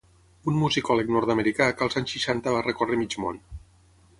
un musicòleg nord-americà que als anys seixanta va recórrer mig món